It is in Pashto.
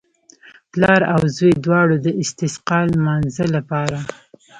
پلار او زوی دواړو د استسقا لمانځه لپاره.